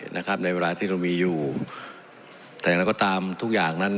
ในเวลาที่เรามีอยู่แต่อย่างไรก็ตามทุกอย่างนั้น